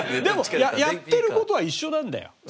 でもやってる事は一緒なんだよ。